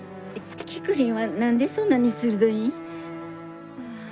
キクリンは何でそんなに鋭いん。